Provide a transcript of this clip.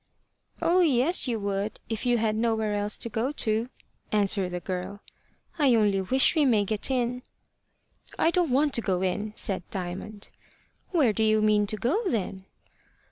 "Oh, yes, you would, if you had nowhere else to go to," answered the girl. "I only wish we may get in." "I don't want to go in," said Diamond. "Where do you mean to go, then?"